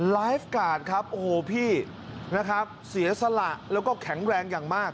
ไลฟ์การ์ดครับโอ้โหพี่นะครับเสียสละแล้วก็แข็งแรงอย่างมาก